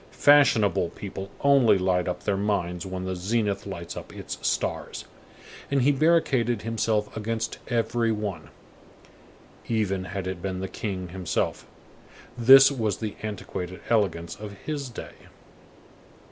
Fashionable people only light up their minds when the zenith lights up its stars." And he barricaded himself against every one, even had it been the king himself. This was the antiquated elegance of his day.